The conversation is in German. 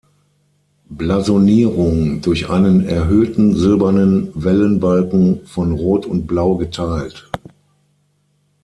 Blasonierung: „Durch einen erhöhten silbernen Wellenbalken von Rot und Blau geteilt.